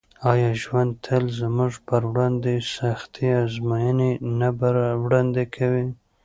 آیا ژوند تل زموږ پر وړاندې سختې ازموینې نه وړاندې کوي؟